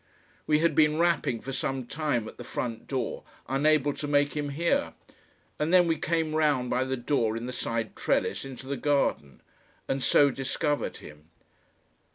We had been rapping for some time at the front door unable to make him hear, and then we came round by the door in the side trellis into the garden and so discovered him.